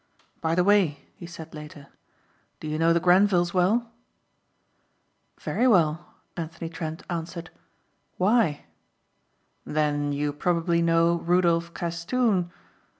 By the way," he said later, "Do you know the Grenvils well?" "Very well," Anthony Trent answered, "Why?" "Then you probably know Rudolph Castoon.